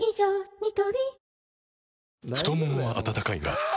ニトリ太ももは温かいがあ！